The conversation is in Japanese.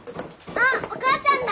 あっお母ちゃんだ！